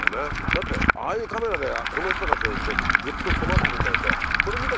だってああいうカメラでこの人たちがいてグッと迫ってくんないと。